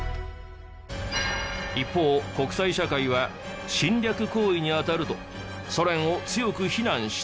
一方国際社会は侵略行為に当たるとソ連を強く非難した。